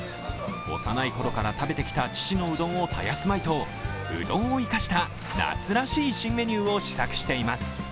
幼いころから食べてきた父のうどんを絶やすまいとうどんを生かした夏らしい新メニューを試作しています。